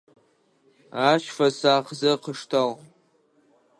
Ащ фэсакъзэ къыштагъ.